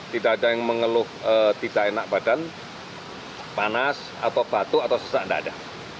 tidak ada yang mengeluh tidak enak badan panas atau batuk atau sesak tidak ada